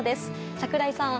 櫻井さん。